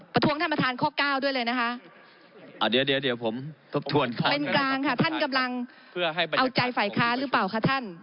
เป็นกลางค่ะท่านกำลังเอาใจไฟฆ่าหรือเปล่าครับท่าน